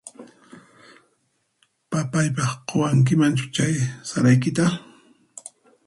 Papayqaq quwankimanchu chay saraykita?